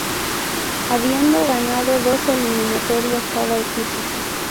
Habiendo ganado dos eliminatorias cada equipo.